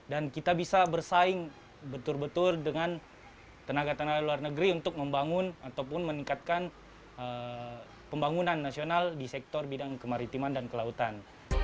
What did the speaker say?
dan kita bisa bersaing betul betul dengan tenaga tenaga luar negeri untuk membangun ataupun meningkatkan pembangunan nasional di sektor bidang kemaritiman dan kelautan